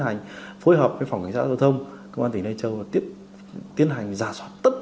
hành phối hợp với phòng cảnh sát giao thông công an tỉnh lai châu và tiếp tiến hành giả soát tất